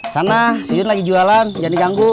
sana si iwan lagi jualan jangan diganggu